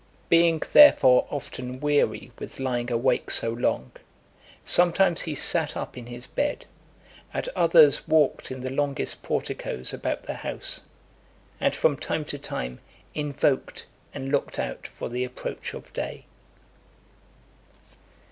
Being therefore often weary with lying awake so long, sometimes he sat up in his bed, at others, walked in the longest porticos about the house, and from time to time, invoked and looked out for the approach of day.